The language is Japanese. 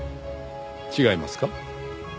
違いますか？